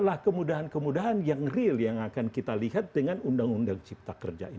nah kemudahan kemudahan yang real yang akan kita lihat dengan undang undang cipta kerja ini